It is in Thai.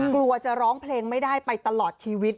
กลัวจะร้องเพลงไม่ได้ไปตลอดชีวิต